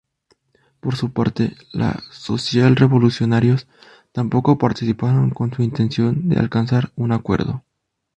Por su parte, los socialrevolucionarios tampoco participaban con intención de alcanzar un acuerdo.